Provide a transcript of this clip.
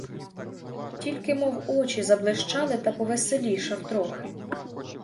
Тільки мов очі заблищали та повеселішав трохи.